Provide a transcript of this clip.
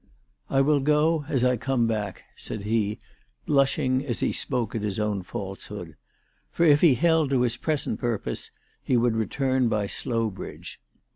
" I will go as I come back," said he, blushing as he spoke at his own falsehood. For, if he held to his present purpose, he would return by Slowbridge.